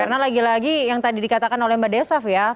karena lagi lagi yang tadi dikatakan oleh mbak desaf ya